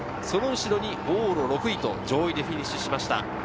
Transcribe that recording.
その後ろに往路６位と上位でフィニッシュしました。